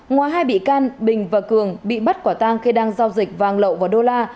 ngoài hai bị can bình và cường bị bắt quả tang khi đang giao dịch vàng lậu vào đô la